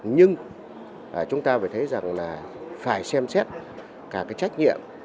nhưng chúng ta phải thấy rằng là phải xem xét cả cái trách nhiệm